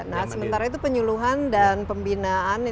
nah sementara itu penyuluhan dan pembinaan